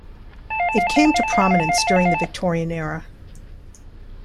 It came to prominence during the Victorian era.